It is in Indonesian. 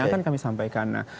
yang akan kami sampaikan nah